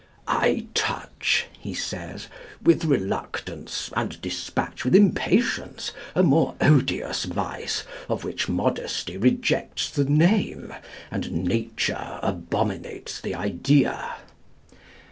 "I touch," he says, "with reluctance, and despatch with impatience, a more odious vice, of which modesty rejects the name, and nature abominates the idea."